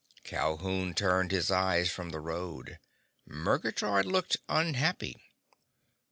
Calhoun turned his eyes from the road. Murgatroyd looked unhappy.